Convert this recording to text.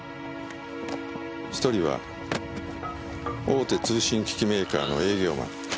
１人は大手通信機器メーカーの営業マン。